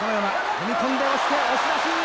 踏み込んで押して、押し出し。